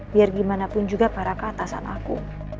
biar gimana pun juga para keatasan aku